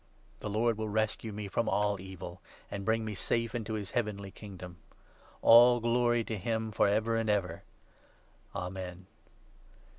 The Lord will 18 rescue me from all evil, and bring me safe into his Heavenly Kingdom. All glory to him for ever and ever ! Amen.